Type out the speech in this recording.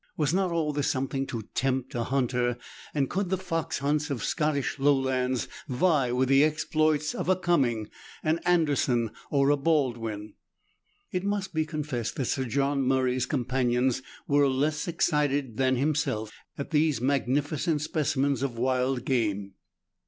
Was not all this something to tempt a hunter, and could the fox hunts of the Scottish lowlands vie with the exploits of a Gumming, an Anderson, or a Baldwin ? It must be con fessed that Sir John Murray's companions were less excited than himself at these magnificent specimens of wild game.